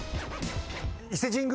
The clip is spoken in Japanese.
伊勢神宮？